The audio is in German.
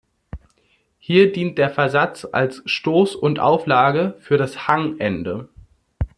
Hier dient der Versatz als Stoß und Auflage für das Hangende.